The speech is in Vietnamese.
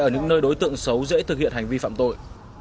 ở những nơi đối tượng xấu dễ thực hiện hành vi phạm tội